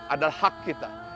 adalah hak kita